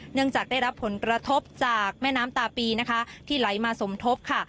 เนื่องจากได้รับผลกระทบจากแม่น้ำตาปีนะคะที่ไหลมาสมทบค่ะ